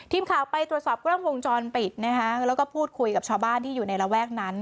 ทีมข่าวไปตรวจสอบกล้องวงจรปิดนะคะแล้วก็พูดคุยกับชาวบ้านที่อยู่ในระแวกนั้น